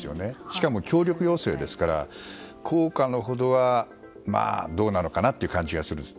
しかも協力要請ですから効果のほどはどうなのかなって感じがします。